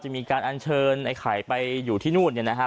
มีการอัญเชิญไอ้ไข่ไปอยู่ที่นู่นเนี่ยนะฮะ